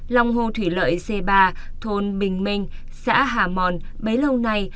lòng hồ thủy lợi c ba thôn bình minh xã hà mòn bấy lâu nay